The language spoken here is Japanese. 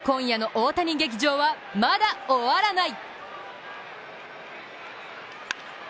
ただ、今夜の大谷劇場はまだ終わらない！